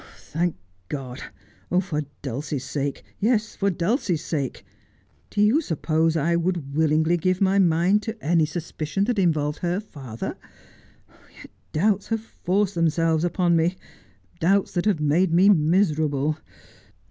' Thank God. For Dulcie's sake ; yes, for Dulcie's sake ! Do you suppose I would willingly give my mind to any suspicion that involved her father 1 Yet doubts have forced themselves upon me — doubts that have made me miserable.